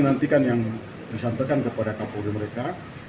nantikan yang disampaikan kepada kapolri mereka